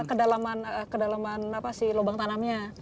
kedalaman kedalaman apa sih lobang tanamnya